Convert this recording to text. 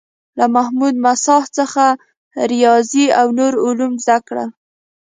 له محمود مساح څخه ریاضي او نور علوم زده کړل.